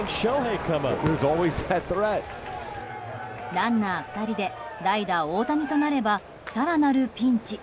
ランナー２人で代打、大谷となれば更なるピンチ。